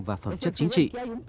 và phẩm chất chính trị